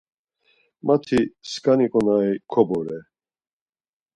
Mati skani ǩonari kobore.